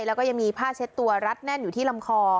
แล้วก็ยังมีผ้าเช็ดตัวรัดแน่นอยู่ที่ลำคอ